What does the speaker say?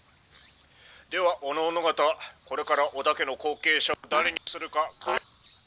ではおのおの方これから織田家の後継者を誰にするかか」。